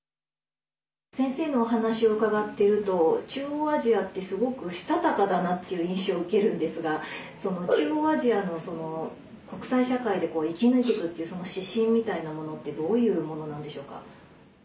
先生のお話を伺っていると中央アジアってすごく、したたかだなっていう印象を受けるんですが中央アジアの国際社会で生き抜いていくっていう指針みたいなものってどういうものなんでしょうか？